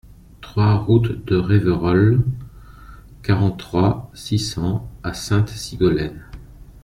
trois route de Reveyrolles, quarante-trois, six cents à Sainte-Sigolène